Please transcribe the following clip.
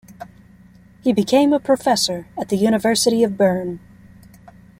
He became a professor at the University of Bern.